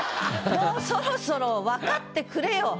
もうそろそろ分かってくれよ。